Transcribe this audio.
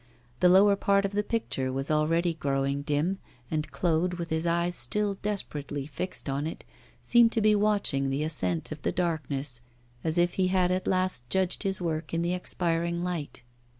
The lower part of the picture was already growing dim, and Claude, with his eyes still desperately fixed on it, seemed to be watching the ascent of the darkness as if he had at last judged his work in the expiring light.